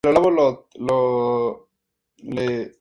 Las cadenas pasaban sobre las torres, y se fijaban a los estribos.